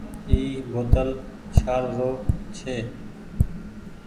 اي بوتل ڇآل رو ڇي۔